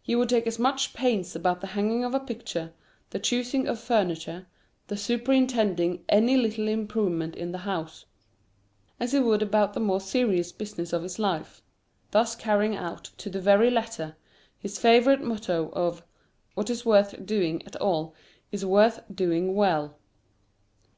He would take as much pains about the hanging of a picture, the choosing of furniture, the superintending any little improvement in the house, as he would about the more serious business of his life; thus carrying out to the very letter his favourite motto of "What is worth doing at all is worth doing well."